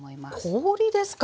氷ですか？